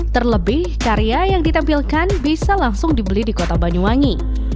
terlebih karya yang ditampilkan bisa langsung dibeli di kota banyuwangi